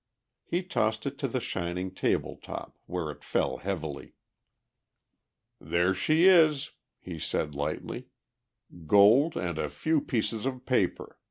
He tossed it to the shining table top, where it fell heavily. "There she is," he said lightly. "Gold and a few pieces of paper.